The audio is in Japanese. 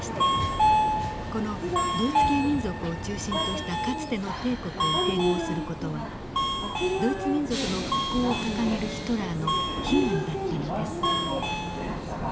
このドイツ系民族を中心としたかつての帝国を併合する事はドイツ民族の復興を掲げるヒトラーの悲願だったのです。